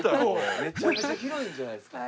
めちゃめちゃ広いんじゃないですか？